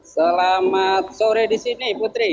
selamat sore di sini putri